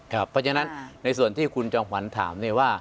เพราะฉะนั้นในส่วนที่คุณจอมขวัญถามว่า